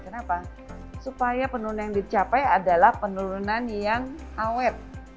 kenapa supaya penurunan yang dicapai adalah penurunan yang awet